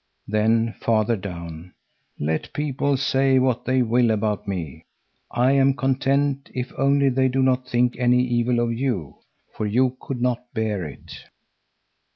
Then farther down: "Let people say what they will about me. I am content if only they do not think any evil of you, for you could not bear it."